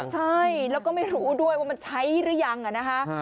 ใช่แล้วก็ไม่รู้ด้วยว่ามันใช้หรือยังนะคะ